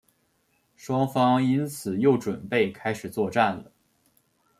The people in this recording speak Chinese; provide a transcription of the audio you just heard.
双方因此又准备开始作战了。